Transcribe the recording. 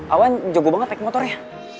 awan jago banget naik motornya